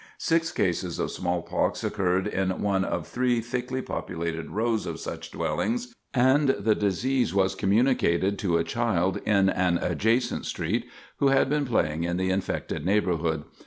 Six cases of smallpox occurred in one of three thickly peopled rows of such dwellings, and the disease was communicated to a child in an adjacent street, who had been playing in the infected neighborhood.